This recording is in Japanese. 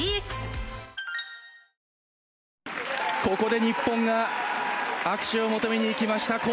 ここで日本が握手を求めに行きました。